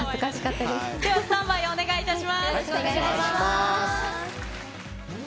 では、スタンバイお願いいたよろしくお願いします。